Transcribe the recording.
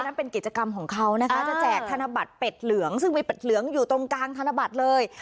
นั่นเป็นกิจกรรมของเขานะคะจะแจกธนบัตรเป็ดเหลืองซึ่งมีเป็ดเหลืองอยู่ตรงกลางธนบัตรเลย